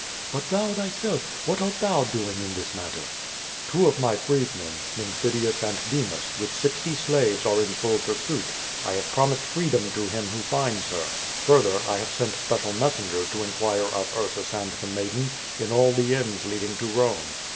But thou thyself, what art thou doing in this matter ?'* "Two of my freedmen, Nimphidius and Demas, with sixty slaves, are in full pursuit. I have promised freedom to him who finds her. Further, I have sent special messen gers to inquire of Ursus and the maiden, in all the inns lead ing to Rome.